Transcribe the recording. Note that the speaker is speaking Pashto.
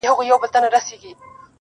د ښکلا معیار ګڼل کیږي